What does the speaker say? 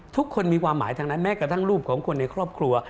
ทุกคนมีความหมายทั้งนั้นแม้กระทั่งรูปของคนในครอบครัว